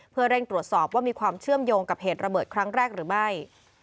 เพื่อเร่งตรวจสอบว่ามีความเชื่อมโยงกับเหตุระเบิดครั้งแรกหรือไม่